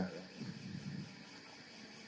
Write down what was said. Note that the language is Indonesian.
terjawab ya mbak ya